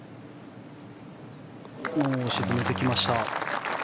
沈めてきました。